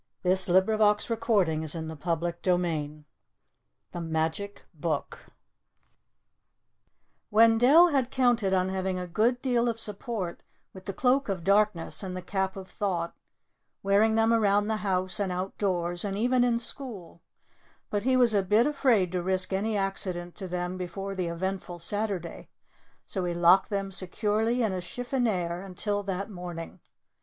"I'll remember," said Wendell. CHAPTER XIV THE MAGIC BOOK Wendell had counted on having a good deal of sport with the Cloak of Darkness and the Cap of Thought, wearing them around the house and outdoors, and even in school, but he was a bit afraid to risk any accident to them before the eventful Saturday. So he locked them securely in his chiffonier until that morning.